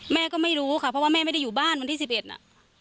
แม่ก็ไม่รู้ค่ะเพราะว่าแม่ไม่ได้อยู่บ้านวันที่๑๑น่ะ